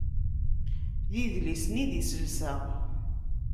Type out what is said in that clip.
D idlisen i d iselsa.